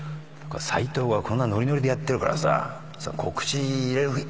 斎藤がこんなノリノリでやってるからさ告知入れる隙間なかったもんね